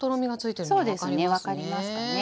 そうですね分かりますかね。